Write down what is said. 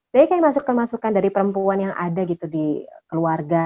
jadi kayak masuk kemasukan dari perempuan yang ada gitu di keluarga